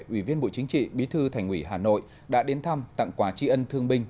ủy viên bộ chính trị bí thư thành ủy hà nội đã đến thăm tặng quà tri ân thương binh